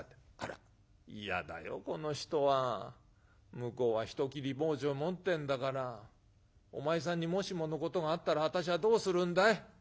向こうは人斬り包丁持ってんだからお前さんにもしものことがあったら私はどうするんだい？